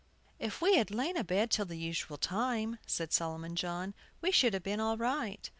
"If we had lain abed till the usual time," said Solomon John, "we should have been all right."